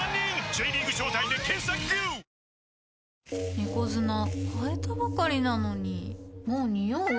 猫砂替えたばかりなのにもうニオう？